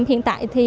hiện tại thì